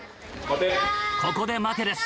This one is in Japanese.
ここで待てです。